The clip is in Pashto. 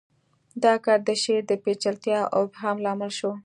دا کار د شعر د پیچلتیا او ابهام لامل شو